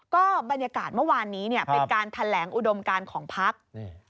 ก็บรรยากาศเมื่อวานนี้เนี่ยเป็นการแถลงอุดมการของพัก